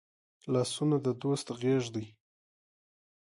لاسونه د دوست غېږ دي